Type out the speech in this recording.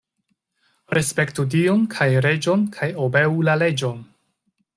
Respektu Dion kaj reĝon kaj obeu la leĝon.